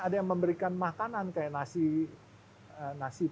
ada yang memberikan makanan kayak nasi